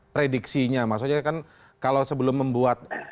prediksinya maksudnya kan kalau sebelum membuat